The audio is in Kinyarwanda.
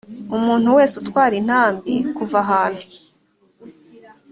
umuntu wese utwara intambi kuva ahantu